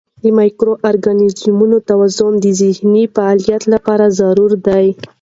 د مایکرو ارګانیزمونو توازن د ذهني فعالیت لپاره ضروري دی.